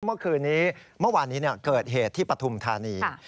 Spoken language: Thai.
เมื่อคืนนี้เมื่อวานนี้เกิดเหตุที่ปฐุมธานี